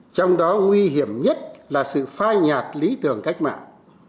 trong đó nguy hiểm nhất là sự phai nhạt lý tưởng cách mạng